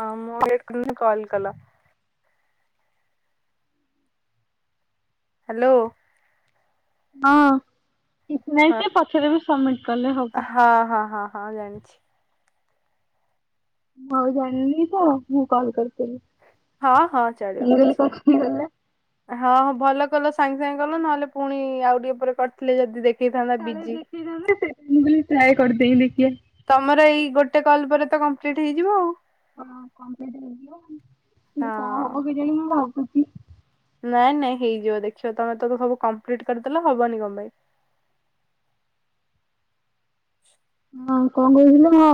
ହ ମୁଁ [unintelligible] କଲ call. Hello. ହଁ କିଛି ନାହିଁ ହଁ ସେ ପଛରେ ବି ସମି ହଁ ହଁ ହଁ ହଁ ଜାଣି ମୁଁ ଆଉ ଜାଣନି ତ ମୁଁ କଲ୍ କରିଦେଲି ହଁ ହଁ ଚଳିବ କିଛି ନାଇଁ। ହଁ ହଁ ଭଲ କଲ ସାଙ୍ଗେ ସାଙ୍ଗେ କଲ ନହେଲେ ପୁଣି ଆଉ ଟିକେ ଉପରେ କରିଥିଲେ ଯଦି ଦେଖେଇଥାନ୍ତା ବିଜି [unintelligible] ମୁଁ କହିଲି ଟ୍ରାଏ କରିଦେଇ ଦେଖିଆ। ତମର ଏଇ ଗୋଟେ କଲ ପରେ ତ କମ୍ପ୍ଲିଟ ହେଇଯିବ ଆଉ। ହଁ କମିଟି [unintelligible] କଁ ହବ ହଁ। କେଜାଣି ମୁଁ ଭାବୁଛି ନାଇଁ ନାଇଁ ହେଇଯିବ ଦେଖିବ ତମେ ତ ସବୁ କମ୍ପ୍ଲିଟ୍ କରିଦେଲେ ହବନି କଣ ପାଇଁ। ହଁ କଁ କହୁଥିଲୁ ମୁଁ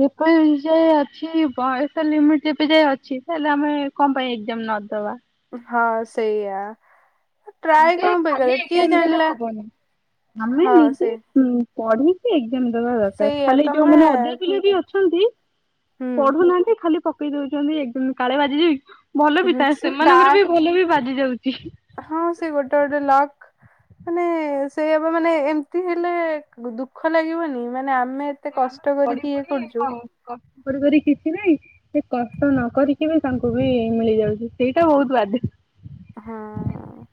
ଯେକେନ୍ ଯାଏ ଅଛି ବୟସ ଲିମିଟ ଯେବେ ଯାଏ ଅଛି ତାହେଲେ ଆମେ କଣ ପାଇଁ ଏକ୍ଜାମ ନଦବା। ହଁ ସେଇଆ। ଟ୍ରାଏ ନିଜେ କଣ ପାଇଁ ଖାଲି କରିବ କିଏ ଏମ ଦେଲେ ଜାଣିଲା ହବନି ଆମେ ହଁ ନିଜେ ସେ ପଢିକି ଏଜାମ ଦବା ଦରକାର ସେଇଆ ଖାଲି ତମେ ଯୋଉମାନେ ଅଧ ପିଲା ବି ଅଛନ୍ତି। ହୁଁ ପଢୁନାହାନ୍ତି ଖାଲି ପକେଇ ଦଉଚନ୍ତି ଏକ ଦିନ କାଳେ ବାଜିଯିବ କି। ଭଲ ହୁଁ ବିିଥାଏ ସେ କା ସେମାନଙ୍କର ବି ଭଲ ବି ବାଜି ଯାଉଚି। ହଁ ସେ ଗୋଟେ ଗୋଟେ ଲକ୍ ମାନେ ସେଇଆ ପା ମାନେ ଏମତି ହେଲେ ଦୁଃଖ ଲାଗିବନି ମାନେ ଆମେ ଏତେ କଷ୍ଟ କରିକି ଇଏ କରୁଚୁ। କଷ୍ଟ କରି କରି କିଛି ନାଇଁ। ସେ କଷ୍ଟ ନକରିକି ବି ତାଙ୍କୁ ବି ମିଳିଯାଉଚି ସେଇଟା ବୋହୁତ ବାଧେ। ହଁ।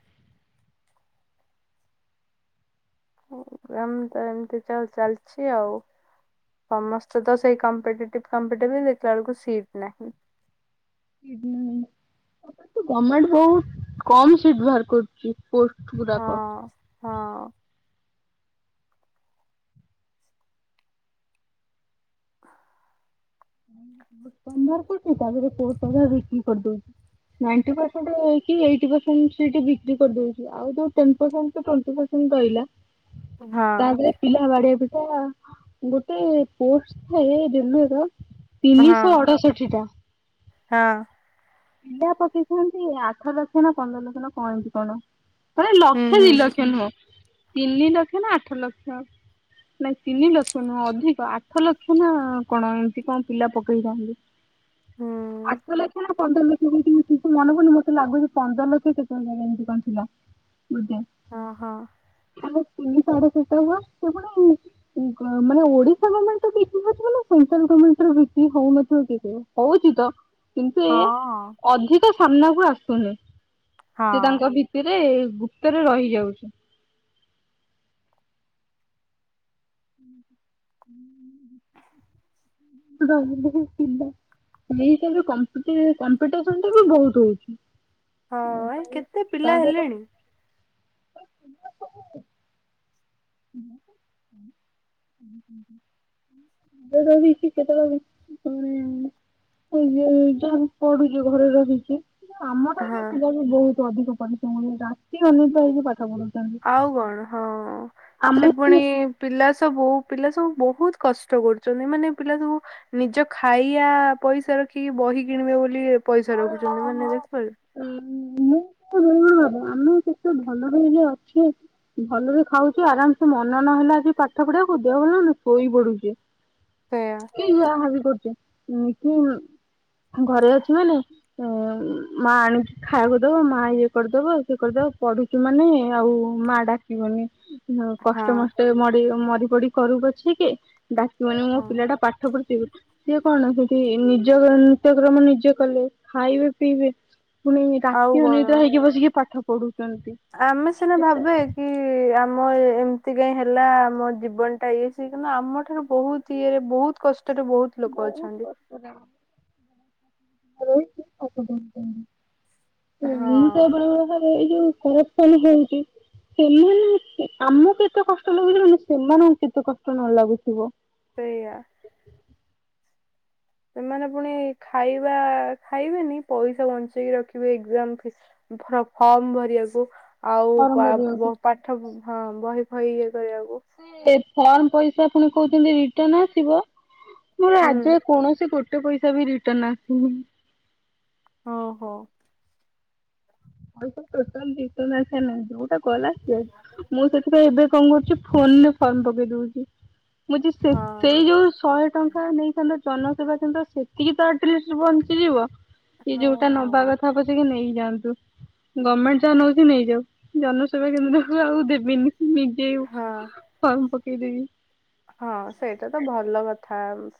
ହୋଉ ଆମେ ତ ଏମତି ଚା ଚାଲିଚି ଆଉ। ସମସ୍ତେ ତ ସେଇ କମ୍ପିଟିଭ କମ୍ପିଟିଭ ଦେଖିଲା ବେଳକୁ ସିଟ୍ ନାହିଁ। ହୁଁ ଗମେଣ୍ଟ ବହୁତ କମ ସିଟ ବାହାର କରୁଚି ପୋଷ୍ଟ ଗୁଡାକ ହଁ ହଁ। ତମର କୋଉଠି ତମରତ ତାପରେ କୋ କ [unintelligible] କରିଦଉଚି। ନାଇଣ୍ଟି ପରସେଣ୍ଟ କି ଏଇଟି ପ୍ପର୍ସେଣ୍ଟ ସାଟ୍ ବିକ୍ରି କରିଦଉଛି ଆଉ ଜଉ ten percent to twenty percent କଣ କହିଲା ହଁ ତା ପରେ ପିଲା ବାଡିଆ ପିଟା ଗୋଟେ ପୋଷ୍ଟ ଥାଏ ଡ୍ୟୁନର ହଁ ତିନିହ ଅଡଷଠି ଟା। ହଁ। ପିଲା ପକେଇଛନ୍ତି ଆଠ ଲକ୍ଷ ନା ପନ୍ଦର ଲକ୍ଷ ନ କଣତି କଣ? ପୂରେ ହୁଁ ଲକ୍ଷ ହୁଁ ଦି ଲକ୍ଷ ନୁହଁ ତିନି ଲକ୍ଷ ନା ଆଠ ଲକ୍ଷ। ନାଇଁ ତିନିିଲକ୍ଷ ନୁହଁ ଅଧିକ ଆଠ ଲକ୍ଷ ନା କଣ ଏମିତି କଣ ପିଲା ପକେଇଚନ୍ତି। ହୁଁ। ଆଠ ଲକ୍ଷ୍ୟ ନା ପନ୍ଦର ଲକ୍ଷ କଣ କିନ୍ତୁ ମନେ ପୁଡୁନି ମୋତେ ଲାଗୁଛି ପନ୍ଦର ଲକ୍ଷ କେତୋ ହଜାରେ ଏମିତି କଣ ଥିଲା। ବୁଝେ ହଁ ହଁ। ଆଉ ତିନି ସାଢେ ସପ୍ତାଏ ହେଇଯିବ ସେ ପୁଣି ଗମେ ମାନେ ଓଡିଶା ଗମେଣ୍ଟର ଦେଖିବାକୁ ଗଲେ ସେଟ୍ରଲ ଗମେଣ୍ଟରେ କିଛି ହୋଉନଥିବ କିଏ କହିବ। ହୋଉଚି ତ କିନ୍ତୁ ହଁ ଏଇଆ ଅଧିକ ସାମ୍ନାକୁ ଆସୁନି ସେ ହଁ ତାଙ୍କ ଭିତରେ ଗୁପ୍ତରେ ରହିଯାଉଚି। ହୁଁ ହୁଁ ହୁଁ। ବେ କିିଲା [unintelligible] ଏଇସବୁରେ କମ୍ପିଟି କମ୍ପିଟିସନ୍ ଯୋଗୁ ବୋହୁତ ହୋଉଛି। ହଁ ଏ ସେଟାବି କେତେ ପିଲା ତାସହିତ ହେଲେଣି ହଁଁ ହଁ। ଯୋଉ ଟା ବିକି କେଟା ଆଉ ଉଁ ଏ ଯୋଉ ଯୋଉ ପଢ଼ୁଚୁ ଘରେ ରହିକି। ଆମ ଠାରୁବି ହଁ। ପିଲା ବୋହୁତ ଅଧିକ ପରିଶ୍ରମ କରିଚନ୍ତି ରାତି ଅନିଦ୍ରା ହେଇକି ପାଠ ପଢୁଚନ୍ତି। ଆଉ କଣ? ହଁ ସେ ଆମକୁ ପୁଣି ପିଲା ସବୁ ପିଲା ସବୁ ବହୁତ କଷ୍ଟ କରୁଛନ୍ତି। ମାନେ ପିଲା ସବୁ ନିଜ ଖାଇବା ପଇସା ରଖିକି ବହି କିଣିବେ ବୋଲି ପଇସା ରଖୁଛନ୍ତି ମାନେ ଦେଖିପାରୁ ମୁଁ ଜ ଭ [unintelligible] ଆମେ କି ଭଣ୍ଡା [unintelligible] ତୁମେ [unintelligible] ଅଛି? ଭଲରେ ଖାଉଛି ଆରାମସେ ମନ ନହେଲା ଆଜି ପାଠ ପଢ଼ିବାକୁ ଦେହ ବି [unintelligible] ଶୋଇ ପଡୁଛି। ସେଇଆ ଏ ଯାହା ବି କରୁଛ କି [unintelligible] ଘରେ ଅଛି ମାନେ ହ ମା ଆଣିକି ଖାଇବାକୁ ଦବ, ମା ଇଏ କରିଦବ ସିଏ କରିଦବ ପଢ଼ୁଛି ତୁ [unintelligible] ସେମାନେ ଆଉ ମା ଡାକିବନି। ହ [unintelligible] ହଁ କଷ୍ଟେ ମଷ୍ଟେ ମରି [unintelligible] ମରି ପଡ଼ି କରୁ ପଛି କେ ଡାକିବନି ମୋ ହଁ। ପିଲା ଟା ପାଠ ପଢୁଥିବ। ସେ କଣ ସେଠି ନିଜର ନିତ୍ୟକ୍ରମ ନିଜେ କଲେ ଖାଇବେ ପିଇବେ। ପୁଣି ଆଉ ରାତି କଣ ଅନିଦ୍ରା ହେଇକି ବସିକି ପାଠ ପଢୁଛନ୍ତି। ଆମେ ସିନା ଭାବିବା [inaudible] କି [inaudible] ଆମ ଏମିତି କାଇଁ ହେଲା ଆମ ଜୀବନ ଟା ଇଏ ସି କିନ୍ତୁ ଆମ ଠାରୁ ବହୁତ ଇଏରେ ବହୁତ କଷ୍ଟରେ ବହୁତ ଲୋକ ବହୁତ ଅଛନ୍ତି। କଷ୍ଟ। ଏ [unintelligible] ଭା ହଁ। [unintelligible] ଏଇ ଯୋଉ କରପସନ [inaudible] ହେଉଛି ସେମାନେ ଆମକୁ କେତେ କଷ୍ଟ ଲାଗୁ [unintelligible] ସେମାନେ [unintelligible] କେତେ କଷ୍ଟ ନ ଲାଗୁଥିବ। ସେଇ [inaudible] ଆ ସେମାନେ ପୁଣି ଖାଇବା ଖାଇବେନି ପଇସା ବଞ୍ଚେଇକି ରଖିବେ ଏଜାମ ଫିସ୍ [inaudible] ଫର୍ମ ଭରିବାକୁ ଆଉ ଫର୍ମ ବ ଭରିବାକୁ [unintelligible] ପାଠ ହଁ ବହି ବହି ଇଏ କରିବାକୁ ଏ ଫର୍ମ ପଇସା ପୁଣି କୋଉ ଦିନ କହୁଛନ୍ତି [unintelligible] ରିଟର୍ଣ ଆସିବ। ମୋର ହୁଁ। ଆଜି [inaudible] କୌଣସି ଗୋଟେ ପଇସା ବି ରିଟର୍ଣ ଆସିନି। ହଁ ହୋ [inaudible] ପଇସା [unintelligible] ଆା ନଁ [unintelligible] ଯୋଉଟା ଗଲା ସେ ମୁଁ ସେ ଏବେ କଣ କରୁଛି ଫୋନ୍ ରେ ଫର୍ମ ପକେଇ ଦଉଛି। ମୁଁ ଯ [unintelligible] ହଁ। ସେଇ ଯୋଉ ଶହେ ଟଙ୍କା ନେଇଥାନ୍ତା। ଜନ ସେବା ତ [unintelligible] ସେତିକି ତ ଆଟ୍ [unintelligible] ବଞ୍ଚିଯିବ। ସେ ହଁ ଯୋଉଟା ନବା ହଁ। କଥା ବ [inaudible] ସେତିକି ନେଇଯାଆନ୍ତୁ? ଗଭର୍ଣ୍ଣମେଣ୍ଟ ଯା ନଉ [unintelligible] ନେଇଯାଉ ଜନ ବା [unintelligible] କେନ୍ଦ୍ରକୁ ଆଉ ଦେବିନି। ନିଜେ ହଁ। ଫର୍ମ ପକେଇଦେବି। ହଁ ସେଇଟା ତ ଭଲ କଥା।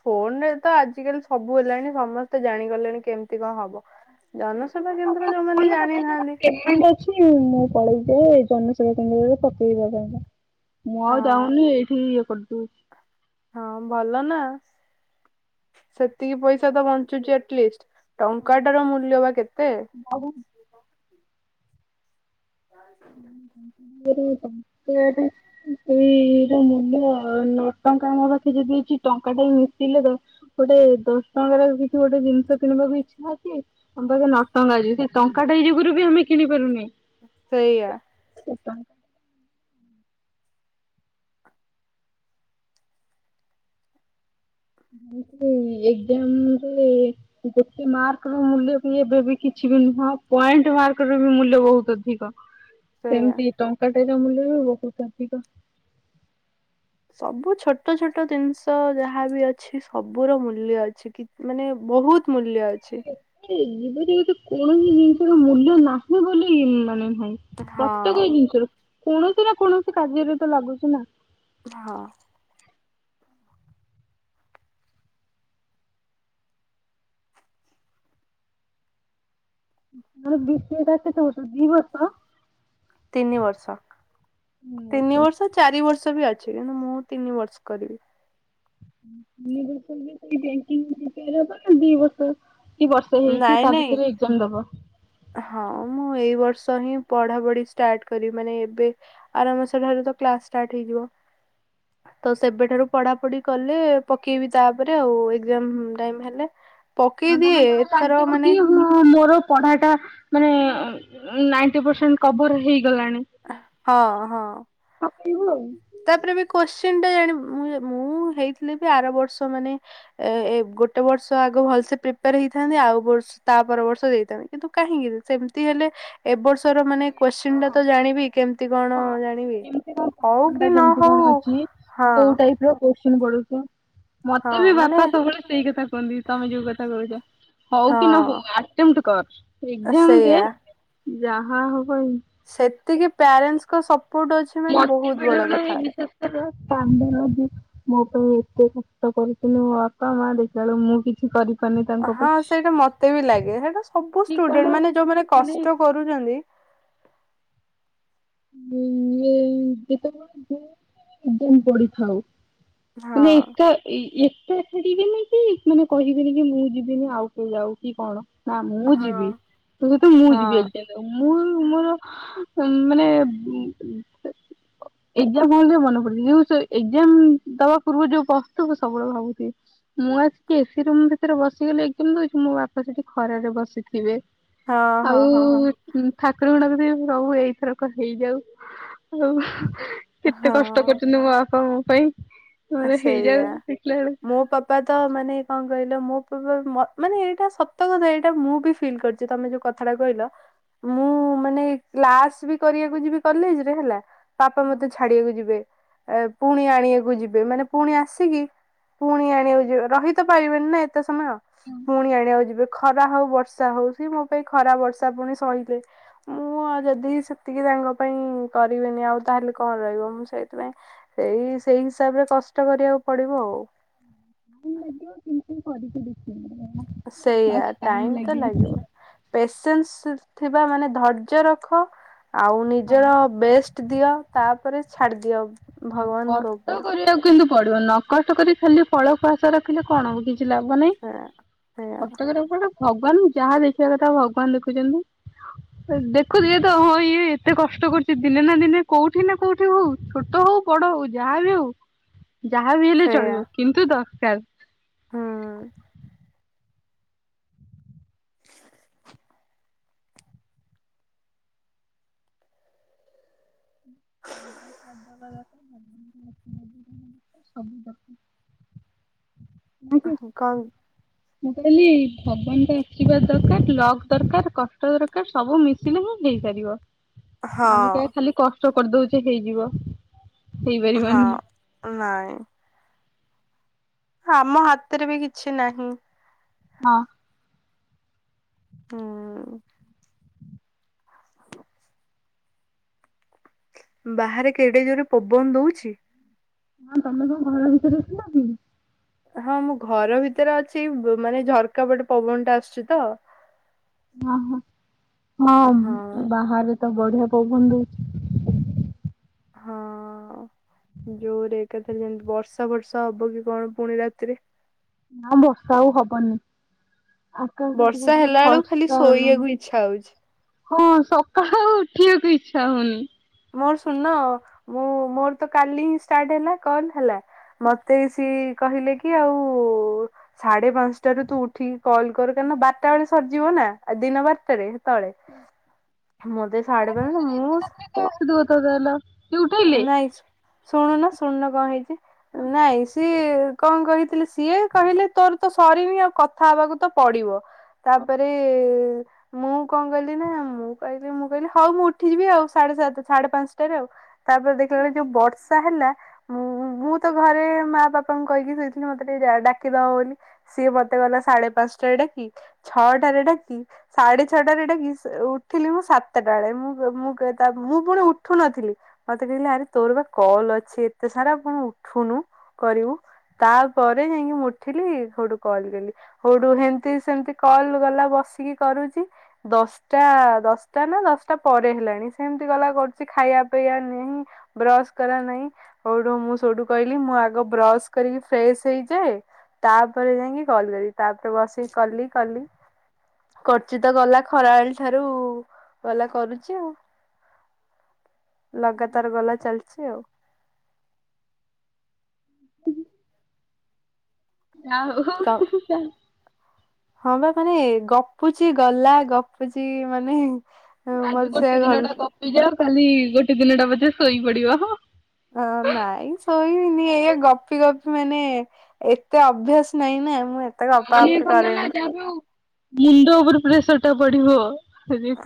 ଫୋନ୍ ରେ ତ ଆଜିକାଲି ସବୁ ହେଲାଣି ସମସ୍ତେ ତ ଜାଣିଗଲେଣି କେମିତି କଣ ହବ? [unintelligible] ଜନସେବା କେନ୍ଦ୍ର ଯୋଉମାନେ ଜାଣିନାହାନ୍ତି? ଅଛି ପେମେଣ୍ଟ [unintelligible] ମୁଁ ପଳେଇ ଯାଏ। ଜନସେବା କେନ୍ଦ୍ରରେ ପକେଇବା ପାଇଁ କା। ମୁଁ ଆଉ ହଁ ଯାଉନି। ଏଇଠି ଇଏ କରିଦଉଚି। ହଁ ଭଲ ନା? ସେତିକି ପଇସା ତ ବଞ୍ଚୁଚି ଏଠି [unintelligible] ଆଟଲିଷ୍ଟ [unintelligible] ଟଙ୍କା ଟାର ମୂଲ୍ୟ ବା କେତେ? ଆଉ ହଁ [unintelligible] ଟ [inaudible] ଏଇ ର ମୂଲ୍ୟ ନଅ ଟଙ୍କା ଆମ ପାଖେ ଯଦି ଏଛି ଟଙ୍କା ଟା ମିଶିଲେ ଦ ଗୋଟେ ଦଶ ଟଙ୍କାର କିଛି ଗୋଟେ ଜିନିଷ କିଣିବାକୁ ଇଚ୍ଛାଅଛି। ଆମ ପାଖେ ନ ଟଙ୍କା ଅଛି ସେ ଟଙ୍କାଟେ ଏ ଯୁଗୁରୁ ବି ଆମେ କିଣି ପାରୁନିହିଁ। ସେଇଆ। ଚଟଣି। [unintelligible] ଇଏ କି ଆମ ଘରେ। ବେଶି ମାର୍କ ର ମୂଲ୍ୟ ବି ଏବେବି କିଛି ବି ନୁହଁ ପଏଣ୍ଟ ମାର୍କ ର ବି ମୂଲ୍ୟ ବହୁତ ଅଧିକ। ସେଇଆ। ସେମିତି ଟଙ୍କାଟେ ର ମୂଲ୍ୟ ବି ବହୁତ ଅଧିକ। ସବୁ ଛୋଟ ଛୋଟ ଜିନିଷ ଯାହାବି ଅଛି ସବୁର ମୂଲ୍ୟ ଅଛି କି। ମାନେ ବହୁତ ମୂଲ୍ୟ ଅଛି। ଏ ଜୀବନରେ ଯେକୌଣସି ଜିନିଷର ମୂଲ୍ୟ ନାହିଁ ବୋଲି ଇ ମାନେ ନାହିଁ। ହଁ ପ୍ରତେକ ଏଇ ଜିନିଷରୁ କୌଣସି ନା କୌଣସି କାର୍ଯ୍ୟରେ ତ ଲାଗୁଛି ନା। ହଁ। ବିଶ [unintelligible] ଚଉଷ ଦିବର୍ଷ। ତିନି ବର୍ଷ, ତିନି ବର୍ଷ। ତ ଚାରି ବର୍ଷ ବି ଅଛି ଏଣୁ ମୁଁ ତିନି ବର୍ଷ କରିବି। ତିନି ବର୍ଷ [unintelligible] ଦି ବର୍ଷ। କି ବର୍ଷେ ହେଇଛି ନାଇଁ ତା ନାଇଁ ଭିତରେ ଏକ୍ଜାମ ଦବ। ହଁ ମୁଁ ଏଇ ବର୍ଷ ହିଁ ପଢା ପଢି ଷ୍ଟାର୍ଟ କରି ମାନେ ଏବେ। ଆରମାସ ଠାରୁ ତ କ୍ଲାସ ଷ୍ଟାର୍ଟ ହେଇଯିବ। ହ ତ ସେବେଠାରୁ ପଢା ପଢି କଲେ ପକେଇବି ତାପରେ ଆଉ ଏଜାମ ଟାଇମ୍ ହେଲେ। ପକେଇ ଦିଏ। ଆସିବ କି? ହଁ ମୋର ପଢା ଟା ମାନେ ନାଇଣ୍ଟି ପରସେଣ୍ଟ କଭର ହେଇଗଲାଣି। ଆ ହଁ ହଁ। ଥାପିବୁ ଆଉ। ତାପରେ ବି କୋଶ୍ଚିନ୍ ଟା ଜାଣ ମୁ ମୁଁ ହେଇଥିଲି ବି ଆର ବର୍ଷ ମାନେ ଏ ଏ ଗୋଟେ ବର୍ଷ ଆଗ ଭଲସେ ପ୍ରିପେୟାର ହେଇଥାନ୍ତି। ଆଉ ବର୍ଷ ତା ପର ବର୍ଷ ଦେଇଥାନ୍ତି କିନ୍ତୁ କାହିଁକି ସେମିତି ହେଲେ ଏ ବର୍ଷର ମାନେ କୋଶ୍ଚିନ ଟା ତ ଜାଣିବି କେମିତି କଣ ଜାଣିବି। ହଉ କି ନ ହଉ ହଁ। ଏବେ, ଏବେ। [unintelligible] ହଁ ମତେ ବି ମାନେ ବାପା ସବୁବେଳେ ସେଇ କଥା କୁହନ୍ତି, ତମେ ଯୋଉ କଥା କହୁଛ। ହଉ କି ନ ହଁ ହଉ ଆଣ୍ଟେମଣ୍ଟେ କର ଏଗଜାମ ଦେ ସେଇଆ ଯାହା ହବ ଏ ସେତିକି ପ୍ୟାରେଣ୍ଟସ୍ଙ୍ ଙ୍କ ସପୋର୍ଟ ଅଛି। ମାନେ ମୋତ ବହୁତ ବଡ ବେଳେବେଳେ ହଁ କଥା। ବିଶେଷ କାନ୍ଦଲାଗେ ମୋ ପାଇଁ ଏତେ କଷ୍ଟ କରିଥିଲି ମୋ ବାପା ମା ଦେଖିଲ ବେଳୁ ମୁଁ କି କିଛି କରିପାରୁନି ତ। ହଁ ସେଇଟା ମତେ ବି ଲାଗେ ସେଇଟା ସବୁ ଷ୍ଟୁଡେଣ୍ଟ ମାନେ ଯୋଉମାନେ କଷ୍ଟ କରୁଛନ୍ତି। [unintelligible] ପଡ଼ିଥାଉ। ମାନେ ହଁ ଏକା ଏଇ ଏତେ ଏକାଠି ହେଇନେ କି ମାନେ କହିବେିନି କି ମୁଁ ଯିବିନି ଆଉ କେ ଯାଉ କି କଣ। ନା ମୁଁ ହଁ ଯିବି ତୋ ସହିତ ମୁଁ ହଁ। ଯିବି [unintelligible] ମୁଁ ମୋର ମାନେ ଉ [unintelligible] ଏଜାମ୍ ହଲ୍ ରେ ମନେ ପଡୁଛି ଯେଉଁ ସ ଏଜାମ ଦବା ପୂର୍ବ ରୁ ଯୋଉ ବସ୍ତୁ ମୁଁ ସବୁବେଳେ ଭାବୁଥିବି। ମୁଁ ଆସିକି ଏସି ରୁମ ଭିତରେ ବସିଗଲେ ଏକ୍ଜାମ ଦଉଛିି, ମୋ ବାପା ସେଠି ଖରାରେ ବସିଥିବେ। ହଁ ହଁ ଆଉ ହଁ ହଁ ଠାକୁରଙ୍କୁ ଡାକୁଥିବେ ପ୍ରଭୁ ଏଇଥରକ କ ହେଇଯାଉ ଆଉ କେତେ କଷ୍ଟ ହଁ କରୁଛନ୍ତି ମୋ ବାପା ମୋ ପାଇଁ। ମାନେ ହେଇଯାଉ ଦେଖିଲା ବେଳକୁ ପାଦ ମାନେ କଣ କହିଲ ମୋ ପୁଅ ମ ମାନେ ଏଇଟା ସତ କଥା ଏଇଟା ମୁଁ ବି ଫିଲ୍ କରି ସେ ତମେ ଯୋଉ କଥାଟା କହିଲ ମୁଁ ମାନେ କ୍ଲାସ ବି କରିବାକୁ ଯିବି କଲେଜ ରେ ହେଲା, ବାପା ମତେ ଛା ଛାଡିବାକୁ ଯିବେ ଏ ପୁଣି ଆଣିବାକୁ ଯି ବେ ମାନେ ପୁଣି ଆସିକି ପୁଣି ଆଣିବାକୁ ଯିବେ ରହି ତ ପାରିବେନି ନାଁ ଏ ତେ ସମୟ ପୁଣି ଆଇଲା ବେଳେ ଯିବେ। ଖରା ହଉ ବର୍ଷା ହଉ କି ମୋ ପାଇଁ ଖରା ବର୍ଷା ପୁଣି ସଇକି ମୁଁ ଆଉ ଯଦି ସେତିକି ତାଙ୍କ ପାଇଁ କରିବିନି ଆଉ ତାହେଲେ କଣ ରହିବ ମୁଁ ସେଇଥିପାଇଁ ସେଇ ସେଇ ହିସାବରେ କଷ୍ଟ କରିବାକୁ ପଡିବ ଆଉ। ହୁଁ ମଦୁଆ କେମିତି କରିକି ଦେଖଇ ଦବା। ସେଇଆ ଟାଇମ ତ ଲାଗିବ। ପେସେନ୍ସ ଥିବା ମାନେ ଧର୍ଯ୍ୟ ରଖ ଆଉ ହଁ ନିଜର ବେଷ୍ଟ ଦିଅ ତାପରେ ଛାଡିଦିଅ। ହଁ ଭଗବାନଙ୍କ କଷ୍ଟ ଉପରେ। କରିବାକୁ କିନ୍ତୁ ପଡିବ ନ କଷ୍ଟ କରି ଖାଲି ଫଳ କୁ ଆଶା ରଖିଲେ କଣ ହବ କି? କିଛି ଲାଭ ନାହିଁ, ସେଇଆ ସେଇଆ କଷ୍ଟ କରିବାକୁ ପଡୁ ଭଗବାନ ଯାହା ଦେଖିବା କଥା ଭଗବାନ ଦେଖୁଛନ୍ତି। ଦେଖୁଥିବେ ତ ହଁ ଇଏ ଏତେ କଷ୍ଟ କରୁଛି ଦିନେ ନା ଦିନେ କୋଉଠି ନା କୋଉଠି ହଉ ଛୋଟ ହଉ ବଡ ହଉ ଯାହାବି ହଉ ଯାହା ବି ହେଲେ ଚଳିବ କିନ୍ତୁ ଦରକାର। ହୁଁ। [unintelligible] ସବୁ ଦରକାର। ଉଠି କଂ। ମୁଁ କହିଲି ଭଗବାନଙ୍କ ଆଶିର୍ବାଦ ଦରକାର, ଲକ୍ ଦରକାର, କଷ୍ଟ ଦରକାର ସବୁ ମିଶ ଶିଲି ମୁ ହେଇପାରିବ ଆମେ ହଁ କହିଆ ଖାଲି କଷ୍ଟ କରିଦଉଛେ ହେଇଯିବ। ହଁ ହେଇପାରିବନି। ନାଇଁ। ଆମ ହାତରେ ବି କିଛି ନାହିଁ। ହଁ। ହୁଁ। ବାହାରେ କେଡେ ଜୋରରେ ପବନ ଦଉଛି। ହଁ ତମେ କଣ ଘର ଭିତରେ ଅଛ ନାଁ କଣ? ହଁ ମୁଁ ଘର ଭିତରେ ଅଛି ବ ମାନେ ଝରକା ବାଟେ ପବନ ଟା ଆସୁଛି ତ। ହଁ ହ ହଁ ବାହାରେ ତ ବଢିଆ ପବନ୍ ଦଉଛି। ହଁ ଜୋଉ ରେଟ ରେ ଏକାଥରେ ଯେମିତି ବର୍ଷା ବର୍ଷା ହବ କି କଣ ପୁଣି ରାତିରେ। ନାଁ ବର୍ଷା ଆଉ ହବନି। ଆକାଶଟା ଟିକେ ବର୍ଷା ଟିକେ ହେଲା ବେଳକୁ ଖାଲି ଫର୍ଚ୍ଚା ହେଲାଣି। ଶୋଇବାକୁ ଇଚ୍ଛା ହଉଛି। ହଁ ସକାଳ ଆଉ ଉଠିବାକୁ ଇଚ୍ଛା ହଉନି। ମୋର ଶୂନ୍ ମୋ ମୋର ତ କାଲି ହିଁ ଷ୍ଟାର୍ଟ ହେଲା କଲ ହେଲା। ମତେ ସିଏ କହିଲେ କି ଆଉ, ସାଢେ ପାଞ୍ଚଟା ରୁ ତୁ ଉଠିକି କଲ୍ କର କାରଣ ବାରଟା ବେଳେ ସରିଯିବ ନାଁ ଦିନ ବାରଟାରେ। ତଳେ ମତେ ସାଢେ ପାଞ୍ଚଟା ମୁଁ ସ ଗତଦଲା [unintelligible] ନାଇଁ ଶୁଣୁନ ଶୁଣୁନ କଣ ହେଇଛି? ନାଇଁ ସିଏ କଣ କହିଥିଲେ ସିଏ କହିଲେ ତୋର ତ ସରିନି ଆଉ କଥା ହବାକୁ ତ ପଡିବ। ତାପରେ ମୁଁ କଣ କହିଲି ନା ମୁଁ କହିଲି ମୁଁ କହିଲି ହଉ ମୁଁ ଉଠିଯିବି ଆଉ ସାଢେ ସାତ ସାଢେ ପାଞ୍ଚଟାରେ ଆଉ। ତାପରେ ଦେଖିଲା ବେଳେ ଯୋଉ ବର୍ଷା ହେଲା, ମୁଁ ମୁଁ ତ ଘରେ ମା ବାପାଙ୍କୁ କହିକି ଶୋଇଥିଲି ମତେ ଟିକେ ଡାକିଦବ ବୋଲି, ସିଏ ମତେ ଗଲା ସାଢେ ପାଞ୍ଚଟାରେ ଡାକି ଛଅଟାରେ ଡାକି, ସାଢେ ଛଅଟାରେ ଡାକି ଉଠିଲି ମୁଁ ସାତଟା ବେଳେ ମୁଁ ମୁଁ ମୁଁ ପୁଣି ଉଠୁ ନଥିଲି। ମତେ କହିଲେ ଆରେ ତୋର ବା କଲ୍ ଅଛି ଏତେ ସାରା ପୁଣି ଉଠୁନୁ କରିବୁ। ତାପରେ ଯାଇକି ମୁଁ ଉଠିଲି ସେଇଠୁ କଲ କଲି। ହଉଠୁ ହେମି ତି ସେମିତି କଲ ଗଲା ବସିକି କରୁଛି। ଦଶଟା ଦଶଟା ନା ଦଶଟା ପରେ ହେଲାଣି ସେମିତି ଗଲା କରୁଛି ଖାଇବା ପିଇବା ନାଇଁ ବ୍ରସ କର ନାଇଁ ହଉଉ ଠୁ ମୁଁ ସେଠୁ କହିଲି ମୁଁ ଆଗ ବ୍ରଶ କରିକି ଫ୍ରେଶ ହେଇଯାଏ, ତାପରେ ଯାଇକି କଲ୍ କରିବି ତାପରେ ବସିକି କଲି କଲି, କରୁଚି ତ ଗଲା ଖରାବେଳ ଠାରୁ ଗଲା କରୁଛି ଆଉ। ଲଗାତାର ଗଲା ଚାଲିଛି ଆଉ, [unintelligible] ଆଉ। କହ ଉଁ ହୁଁ। [unintelligible] ହଁ ପା ମାନେ ଗପୁଚି ଗଲା ଗପୁଚି ମାନେ ଆଜି ମତେ ସେୟା ଗୋଟେ ଘ ଦିନ ଟା ଗପି ଯାଅ କାଲି ଗୋଟେ ଦିନଟା ପଛେ ଶୋଇ ପଡିବ ହଁ। ହଁ ନାଇଁ ଶୋଇବିନି ଏଇ ଗପି ଗପି ମାନେ ଏତେ ଅଭ୍ୟାସ ନାହିଁ ନା ମୁଁ ଏତେ ଗପାଗପି କରେନି। ହ [unintelligible] ମୁଣ୍ଡ ଉପରେ ପ୍ରେସର ଟା ପଡିବ ସେଯୋଗୁ